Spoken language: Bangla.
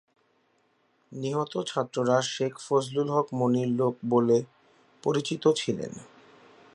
নিহত ছাত্ররা শেখ ফজলুল হক মনির লোক বলে পরিচিত ছিলেন।